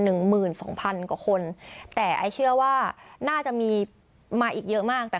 หนึ่งหมื่นสองพันกว่าคนแต่ไอ้เชื่อว่าน่าจะมีมาอีกเยอะมากแต่